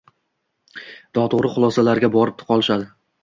noto‘g‘ri xulosalarga borib qolishadi.